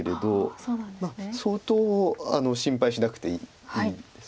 相当心配しなくていいです。